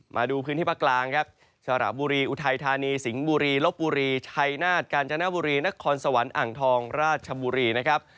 มาดูพื้นที่ภาคกลางครับสระบุรีอุทัยธานีสิงห์บุรีลบบุรีชัยนาฏกาญจนบุรีนครสวรรค์อ่างทองราชบุรีนะครับ